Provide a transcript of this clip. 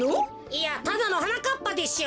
いやただのはなかっぱでしょ。